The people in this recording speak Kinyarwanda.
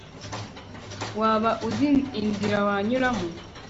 waba uzi inzira wanyuramo